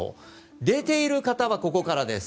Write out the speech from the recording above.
出ている方はここからです。